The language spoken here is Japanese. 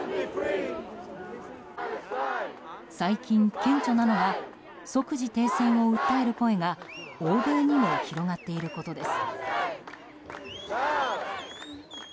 最近顕著なのが即時停戦を訴える声が欧米にも広がていることです。